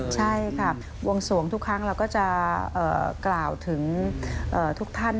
ใช่ค่ะบวงสวงทุกครั้งเราก็จะกล่าวถึงทุกท่าน